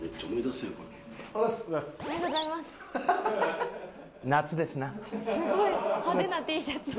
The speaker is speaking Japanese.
すごい派手なＴシャツ。